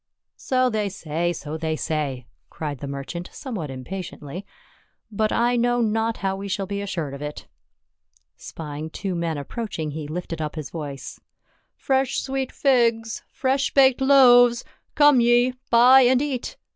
"So they say, so they say," cried the merchant, somewhat impatiently. " But I know not how we shall be assured of it." Spying two men approaching he lifted up his voice —" Fresh sweet figs ! Fresh baked loaves ! Come ye, buy and eat.